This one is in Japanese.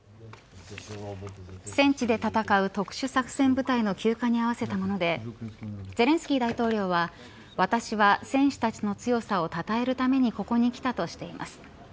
戦地で戦う特殊作戦部隊の休暇に合わせたものでゼレンスキー大統領は私は戦士たちの強さをたたえるためにここに来たとしています。